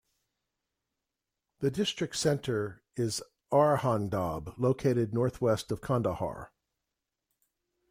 The district centre is Arghandab, located northwest of Kandahar.